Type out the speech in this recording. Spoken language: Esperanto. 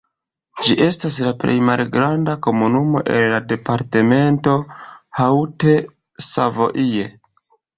Ĝi estas la plej malgranda komunumo el la departemento Haute-Savoie.